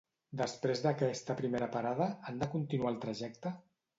Després d'aquesta primera parada, han de continuar el trajecte?